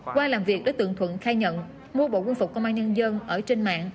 qua làm việc đối tượng thuận khai nhận mua bộ quân phục công an nhân dân ở trên mạng